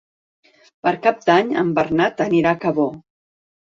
Per Cap d'Any en Bernat anirà a Cabó.